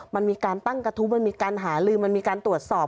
มันมีการตั้งกระทู้มันมีการหาลืมมันมีการตรวจสอบ